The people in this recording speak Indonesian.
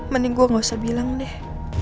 mending gue gak usah bilang deh